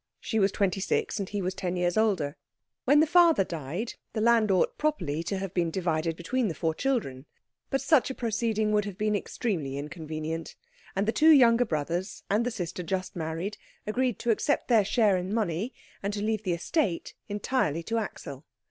She was twenty six, and he was ten years older. When the father died, the land ought properly to have been divided between the four children, but such a proceeding would have been extremely inconvenient, and the two younger brothers, and the sister just married, agreed to accept their share in money, and to leave the estate entirely to Axel.